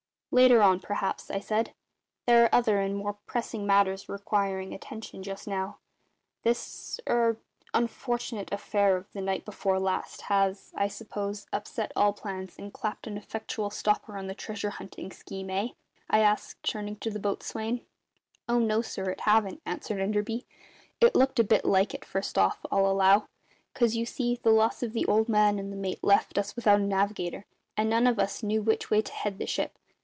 "Later on, perhaps," I said. "There are other and more pressing matters requiring attention just now. This er unfortunate affair of the night before last has, I suppose, upset all plans, and clapped an effectual stopper on the treasure hunting scheme, eh?" I asked, turning to the boatswain. "Oh no, sir, it haven't," answered Enderby. "It looked a bit like it, first off, I'll allow; 'cause, you see, the loss of the Old Man and the mate left us without a navigator, and none of us knew which way to head the ship.